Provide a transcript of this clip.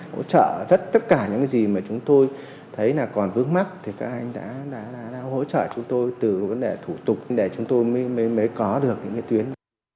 hỗ trợ rất tất cả những cái gì mà chúng tôi thấy là còn vướng mắt thì các anh đã hỗ trợ chúng tôi từ vấn đề thủ tục để chúng tôi mới có được những cái tuyến